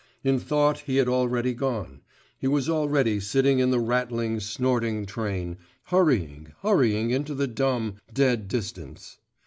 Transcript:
In thought he had already gone, he was already sitting in the rattling, snorting train, hurrying, hurrying into the dumb, dead distance.